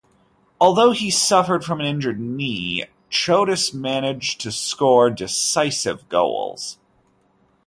Although he suffered from an injured knee, Choutos managed to score decisive goals.